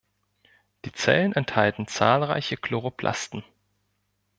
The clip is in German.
Die Zellen enthalten zahlreiche Chloroplasten.